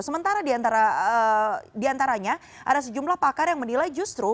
sementara diantaranya ada sejumlah pakar yang menilai justru